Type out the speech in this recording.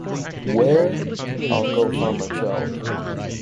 Where? I’ll go find my child.